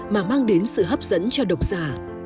mà mang đến sự hấp dẫn cho độc giả